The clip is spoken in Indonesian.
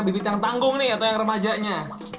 bibit yang tanggung nih atau yang remajanya